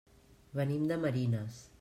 Venim de Marines.